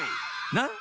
なっ？